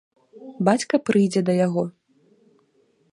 Бацька прыйдзе да яго.